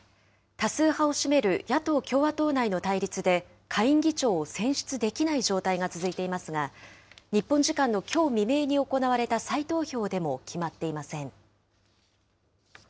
多数派を占める野党・共和党内の対立で、下院議長を選出できない状態が続いていますが、日本時間のきょう未明に行われた再投票でも決まっていません。